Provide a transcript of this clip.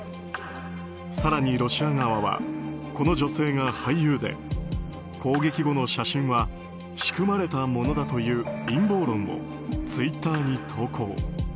更に、ロシア側はこの女性が俳優で攻撃後の写真は仕組まれたものだという陰謀論をツイッターに投稿。